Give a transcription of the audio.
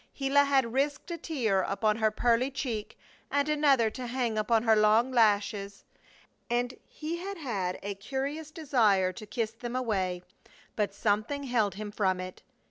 Gila had risked a tear upon her pearly cheek and another to hang upon her long lashes, and he had had a curious desire to kiss them away; but something held him from it.